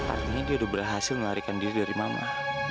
artinya dia udah berhasil melarikan diri dari mama